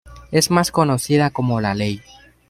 Es más conocida como La Ley.